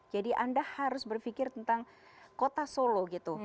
jadi anda harus berpikir tentang kota solo gitu